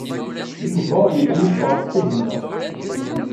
Yuba yella yusem ɣef Kahina.